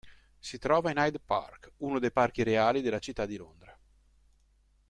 Si trova in Hyde Park, uno dei Parchi Reali della città di Londra.